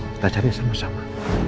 kita cari sama sama